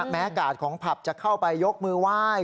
กาดของผับจะเข้าไปยกมือไหว้